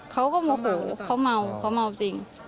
เขาก็โมโหเขาเมาเขาเมาจริง